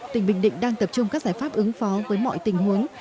tỉnh bình định đang tập trung các giải pháp ứng phó với mọi tình huống